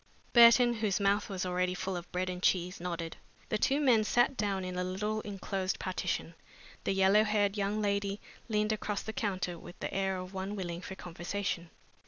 Burton, whose mouth was already full of bread and cheese, nodded. The two men sat down in a little enclosed partition. The yellow haired young lady leaned across the counter with the air of one willing for conversation.